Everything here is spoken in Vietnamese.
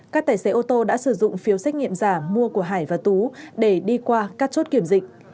các tài xế ô tô đã sử dụng phiếu xét nghiệm giả mua của hải và tú để đi qua các chốt kiểm dịch